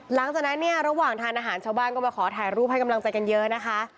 หลังจากนั้นเนี่ยระหว่างทานอาหารชาวบ้านก็มาขอถ่ายรูปให้กำลังใจกันเยอะนะคะ